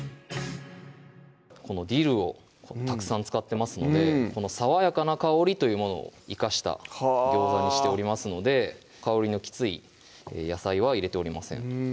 このディルをたくさん使ってますのでこのさわやかな香りというものを生かした餃子にしておりますので香りのきつい野菜は入れておりません